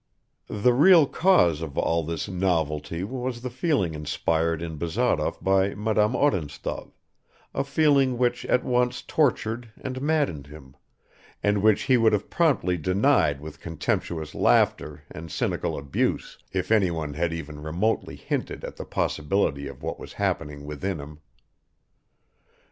The real cause of all this "novelty" was the feeling inspired in Bazarov by Madame Odintsov, a feeling which at once tortured and maddened him, and which he would have promptly denied with contemptuous laughter and cynical abuse if anyone had even remotely hinted at the possibility of what was happening within him.